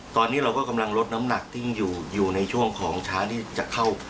ตอนนี้เราก็กำลังลดน้ำหนักที่อยู่ในช่วงของช้างที่จะเข้า